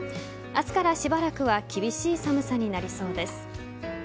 明日からしばらくは厳しい寒さになりそうです。